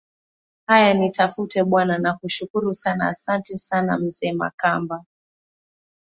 haya nitafute bwana nakushukuru sana asante sana mzee makamba